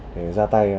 để ra tay